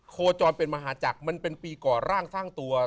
โคจรเป็นมหาจักรมันเป็นปีก่อร่างสร้างตัว